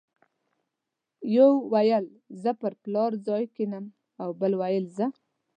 یو ویل زه پر پلار ځای کېنم او بل ویل زه.